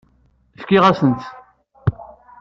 Fkiɣ-asen-tt.